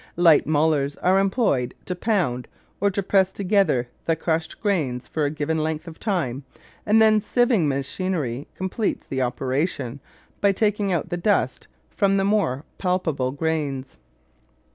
Light mullers are employed to pound, or to press together, the crushed grains for a given length of time, and then sieving machinery completes the operation by taking out the dust from the more palpable grains.